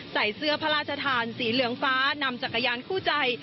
ใส่เสื้อพระราชทานสีเหลืองฟ้านำจักรยานคู่ใจ